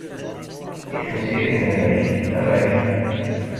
I temsirin-nnek, amek?